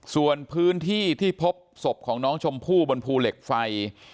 ส่วนพื้นที่ที่พบศพของน้องชมพู่บนภูเหล็กไฟ